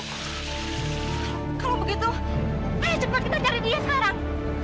kalau begitu ayo cepat kita cari dia sekarang